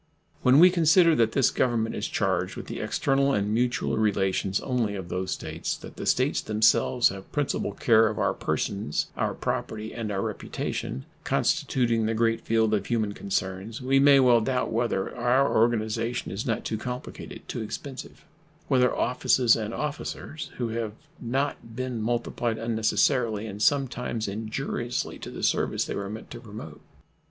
When we consider that this Government is charged with the external and mutual relations only of these States; that the States themselves have principal care of our persons, our property, and our reputation, constituting the great field of human concerns, we may well doubt whether our organization is not too complicated, too expensive; whether offices and officers have not been multiplied unnecessarily and sometimes injuriously to the service they were meant to promote.